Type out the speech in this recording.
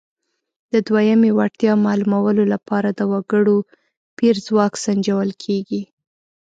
د دویمې وړتیا معلومولو لپاره د وګړو پېر ځواک سنجول کیږي.